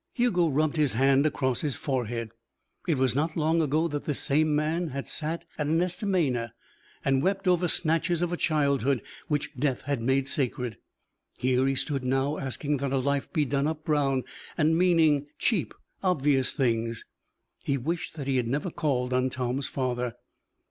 Hugo rubbed his hand across his forehead. It was not long ago that this same man had sat at an estaminet and wept over snatches of a childhood which death had made sacred. Here he stood now, asking that a life be done up brown, and meaning cheap, obvious things. He wished that he had never called on Tom's father.